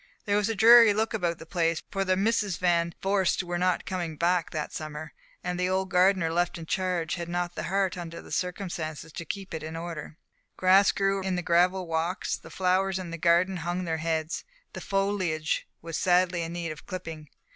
There was a dreary look about the place for the Misses Van Vorst were not coming back that summer, and the old gardener left in charge had not the heart under the circumstances to keep it in order. Grass grew in the gravel walks, the flowers in the garden hung their heads, the foliage was sadly in need of clipping.